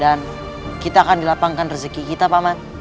dan kita akan dilapangkan rezeki kita paman